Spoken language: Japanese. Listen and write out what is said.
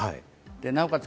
なおかつ